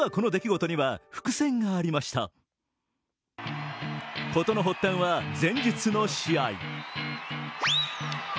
事の発端は前日の試合。